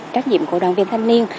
trách nhiệm của đoàn viên thanh niên